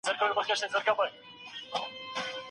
راتلونکی له امیدونو ډک کړئ.